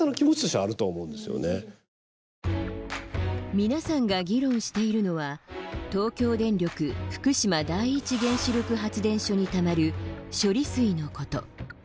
皆さんが議論しているのは東京電力福島第一原子力発電所にたまる処理水のこと。